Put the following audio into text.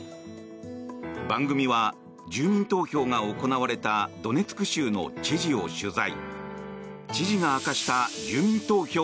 番組は、住民投票が行われたドネツク州の知事を取材。